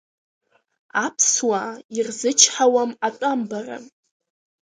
Аԥсуаа ирзычҳауам атәамбара.